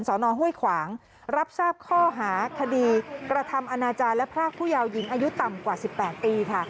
นห้วยขวางรับทราบข้อหาคดีกระทำอนาจารย์และพรากผู้ยาวหญิงอายุต่ำกว่า๑๘ปีค่ะ